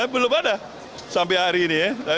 belum ada sampai hari ini ya